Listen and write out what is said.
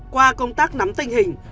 qua công tác nắm tình hình